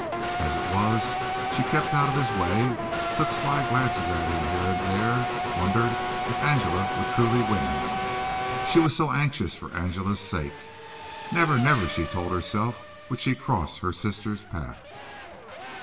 As it was she kept out of his way, took sly glances at him here and there, wondered if Angela would truly win him. She was so anxious for Angela's sake. Never, never, she told herself, would she cross her sister's path.